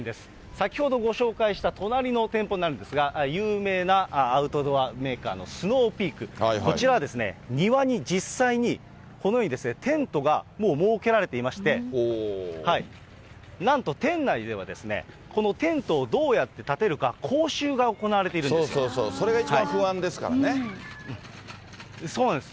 先ほどご紹介した隣の店舗になるんですが、有名なアウトドアメーカーのスノーピーク、こちらは庭に実際にこのようにですね、テントがもう設けられていまして、なんと店内では、このテントをどうやって建てるか、そうそうそう、それが一番不そうなんです。